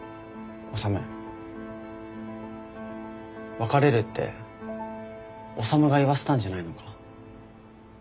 別れるって修が言わせたんじゃないのか？